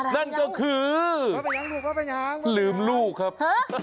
นั่นก็คือลืมลูกครับ